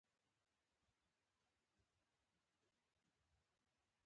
دریم د ټرانسپورټ یا حمل او نقل انجنیری ده.